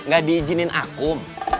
gak diijinin akum